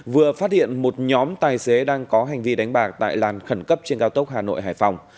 vừa phát hiện một nhóm tài xế đang có hành vi đánh bạc tại làn khẩn cấp trên cao tốc hà nội hải phòng